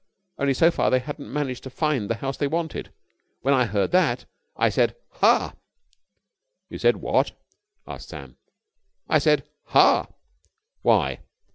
Only so far they hadn't managed to find the house they wanted. When I heard that, I said 'Ha!'" "You said what?" asked Sam. "I said 'Ha!'" "Why?"